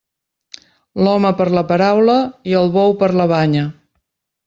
L'home per la paraula i el bou per la banya.